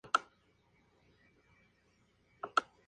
Ni Dulce María ni la producción hablaron acerca de eso.